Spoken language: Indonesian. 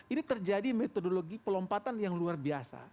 ini terjadi metodologi pelompatan yang luar biasa